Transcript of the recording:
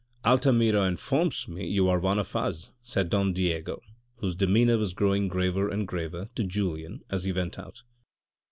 " Altamira informs me you are one of us," said Don Diego, whose demeanour was growing graver and graver to Julien as he went out.